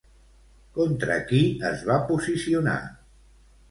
Contra qui es va posicionar?